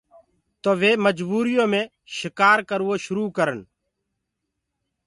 تو وي مجبوٚر يو مي شڪآر ڪروو شروُ ڪرن۔